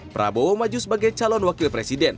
prabowo maju sebagai calon wakil presiden